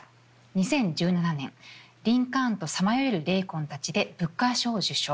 ２０１７年「リンカーンとさまよえる霊魂たち」でブッカー賞受賞。